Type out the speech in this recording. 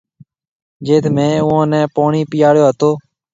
جيٿ مهيَ اُوئون نَي پوڻِي پِياڙيو هتو۔